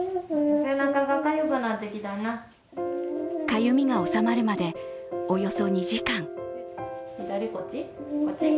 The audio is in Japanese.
かゆみがおさまるまでおよそ２時間。